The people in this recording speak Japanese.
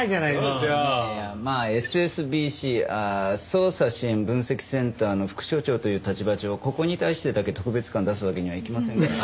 ＳＳＢＣ捜査支援分析センターの副所長という立場上ここに対してだけ特別感を出すわけにはいきませんから。